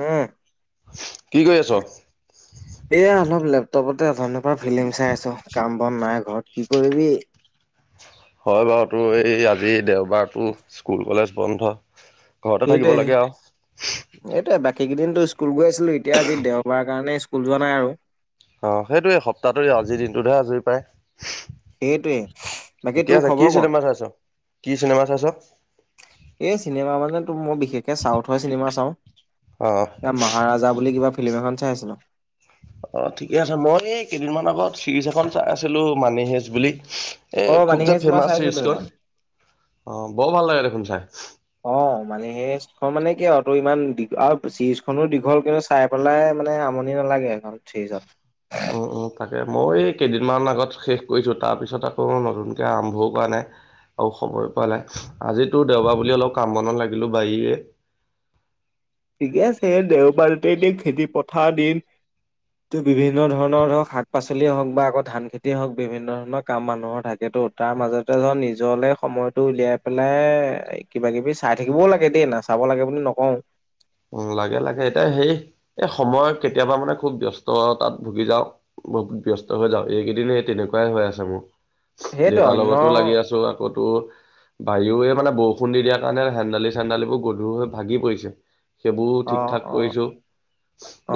উম। কি কৰি আছ? এইয়া অলপ লেপটপতে। ওথোনিৰ পা ফিল্ম চাই আছো কাম- বন নাই ঘৰত। কি কৰিবি। হয় বাৰু। তোৰ এই আজি দেওঁবাৰতো স্কুল কলেজ বন্ধ। ঘৰতে থাকিব সেইটোয়ে। লাগে আৰু এইটোৱেই বাকী কেইদিনতো স্কুল গৈ আছিলী। এতিয়া আজি দেওঁবাৰ কাৰণে স্কুল যোৱা নাই আৰু। অ', সেইটোয়ে সপ্তাহটো আজিৰ দিনটোত হে আজৰি পায়। সেইটোৱে বাকী ঠিকে তোৰ আছে কি খবৰ ক? চিনেমা চাইছ? কি চিনেমা চাইছ? এই চিনেমা মানে- মই বিশষকে চাউথৰ চিনেমা চাওঁ। অ মহাৰাজা বুলি কিবা ফিল্ম এখন চাই আছিলোঁ। অ', ঠিকে আছে। মই এই কেইদিনমান আগত চিৰিজ এখন চাই আছিলো মানি সেইজ বুলি। এ, অ খুব মানি যে হেইচ মই ফ্ৰেমাচ চাইছো তো চিৰিজখন। সেইখন। অ', বৰ ভাল লাগে দেখোন চাই। অ', মানে সেইখন মানে কি আৰু টোৰ ইমান আৰু চিৰিজ খন দীঘলকে কিন্তু চাই পেলাই মানে আমনি নালাগে এইখন চিৰিজত। উম'-উম'। তাকেই। মই এই কেইদিনমান আগত শেষ কৰিছোঁ তাৰপিছত আকৌ নতুনকৈ আৰম্ভও কৰা নাই। আৰু খবয় পোৱা নাই। আজিতো দেওঁবাৰ বুলি অলপ কাম বনত লাগিলো বাৰীৰে। [unintelligible] ঠিকে আছে। দেওঁবাৰতে দিন খেদি পথাৰ দিন। টোৰ বিভিন্ন ধৰণৰ ধৰক শাক পাচলিয়ে হওঁক বা আকৌ ধান খেতিয়ে হওঁক বিভিন্ন ধৰণৰ কাম মানুহৰ থাকে। ত-তাৰ মাজতে ধৰ নিজলে সময়তটো উলিয়াই পেলাই কিবা কিবি চাই থাকিবও লাগে দেই ন নেচাব লাগে বুলি নকওঁ। উম', লাগে-লাগে। এতিয়া সেই এই, সময় কেতিয়াবা মানে খুব ব্যস্ততাত ভুগি যাওঁ। ব্যস্ত হৈ যাওঁ। এইকেইদিন সেই তেনেকুৱাই হৈ আছে মোৰ। সেইটো দেউতাৰ অন্য লগতো লাগি আছো আকৌতোৰ বাৰিও মানে বৰষুণ দি দিয়াৰ কাৰণে হেন্দালি-চেন্দালী বোৰ গধুৰ হৈ ভাগি পৰিছে। সেইবোৰ অ ঠিক-ঠাক অ কৰিছো,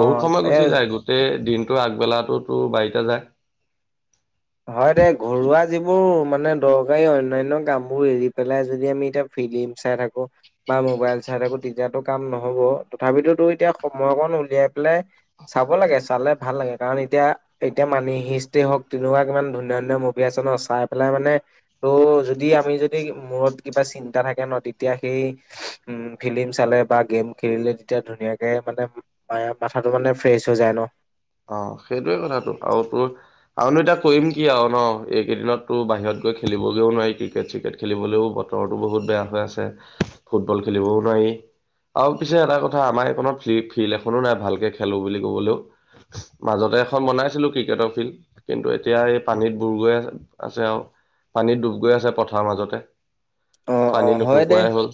অ বহুত সময় গুচি এ যায় গোটেই দিন তোৰ আগবেলাটোত তোৰ বাৰীতে যায়। হয় দে ঘৰুৱা যিবোৰ মানে দৰকাৰী আৰু অন্যান্য কাম বোৰ এৰি পেলাই যদি ফিমিল চাই থাকোঁ বা মোবাইল চাই থো তেতিয়াতো কাম নহব, তথাপিতোতো এতিয়া সময়কন উলিয়াই পেলাই চাব লাগে। চালে ভাল লাগে কাৰণ এতিয়া-এতিয়া মানি হিষ্ট হওক তেনেকুৱা মান ধুনীয়া-ধুনীয়া মুভি আছে ন চাই পেলাই মানে ত যদি আমি যদি মূৰত কিবা চিন্তা থাকে ন তেতিয়া সেই উম, ফিলি্ম চালে বা গেম খেলিলে তেতিয়া ধুনীয়াকে মানে ম-মাথাাতটো মানে ফ্ৰেছ হৈ যায় ন? অ', সেইটোৱে কথাটো আৰু তোৰ আৰুনো এতিয়া কৰিম কি আৰু ন? এইকেইদিনত তোৰ বাহিৰত গৈ খেলিবগৈও নোৱাৰি ক্ৰিকেট-চিকেট খেলিবলৈও বতৰটো বহুত বেয়া হৈ আছে, ফুটবল খেলিবও নোৱাৰি। আৰু পিছে এটা কথা আমাৰ এইকত ফ্লি-ফিল্ড এখনো নাই ভালকে খেলো বুলি কবলৈও। মাজতে এখন বনাইছিলো ক্ৰিকেটৰ ফিল্ড, কিন্তু এতিয়া এই পানীত বুৰগৈ আছে আৰু। পানীত ডুব গৈ আছে পথাৰ মাজতে। পানী অ'-অ', হয় দে। নুশুকোৱাই হ'ল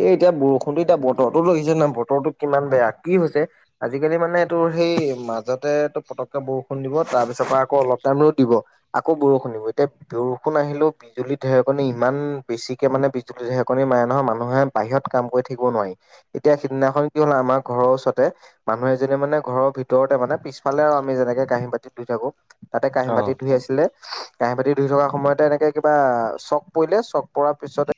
এই এতিয়া বৰষুণতো এতিয়া বতৰতো লাগিছে না বত বতৰটো কিমান বেয়া? কি হৈছে, আজিকালি মানে এইটোোৰ সেই মাজতেটো পতককে বৰষুণ দিব তাৰপিছৰ পৰা আকৌ অলপ টাইম ৰোদ দিব আকৌ বৰষুণ দিব এতিয়া বৰষুণ আহিলেও বিজুলী ঢেৰকণে ইমান বেছিকে মানে বিজুলী-ঢেৰেকণি মাৰে নহয় মানুহে বাহিৰত কাম কৰি থাকিব নোৱাৰি। এতিয়া সিদিনাখন কি হ'ল, আম আমাৰ ঘৰৰ ওচতে মানুহ এ যদি মে ঘৰৰ ভিতৰতে মানে পিছফালে আৰু আমি যেনেকে কাঁহী বাতিত ধই থাকো। তাতে কাঁহী অ বাতি ধুই আছিলে, কাঁহী বাতি ধুই থকা সময়তে এনেকে কিবা চক পৰিলে চক প পিছত